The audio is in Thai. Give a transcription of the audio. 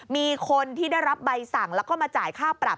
มีคนที่ได้รับใบสั่งแล้วก็มาจ่ายค่าปรับ